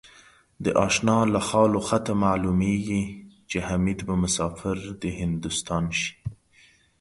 د آشناله خال و خطه معلومېږي ـ چې حمیدبه مسافر دهندوستان شي